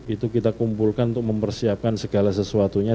itu kita kumpulkan untuk mempersiapkan segala sesuatunya